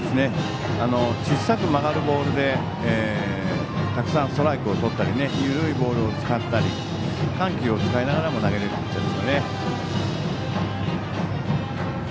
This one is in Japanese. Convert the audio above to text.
小さく曲がるボールでたくさんストライクをとったり緩いボールを使ったり緩急を使いながらも投げれるピッチャーですね。